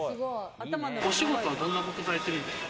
お仕事はどんなことされているんですか？